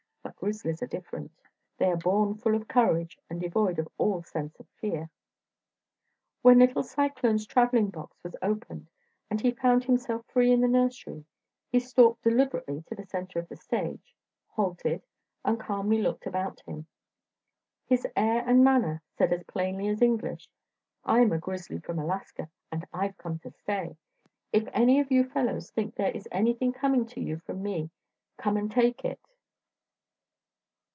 But grizzlies are different. They are born full of courage and devoid of all sense of fear. When little Cyclone's travelling box was opened, and he found himself free in the Nursery, he stalked deliberately to the centre of the stage, halted, and calmly looked about him. His air and manner said as plainly as English: "I'm a grizzly from Alaska, and I've come to stay. If any of you fellows think there is anything coming to you from me, come and take it."